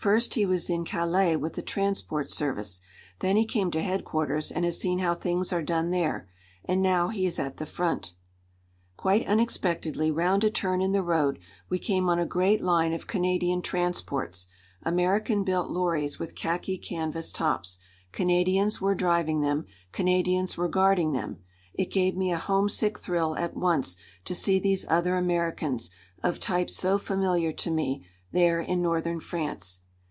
"First he was in Calais with the transport service. Then he came to headquarters, and has seen how things are done there. And now he is at the front." Quite unexpectedly round a turn in the road we came on a great line of Canadian transports American built lorries with khaki canvas tops. Canadians were driving them, Canadians were guarding them. It gave me a homesick thrill at once to see these other Americans, of types so familiar to me, there in Northern France.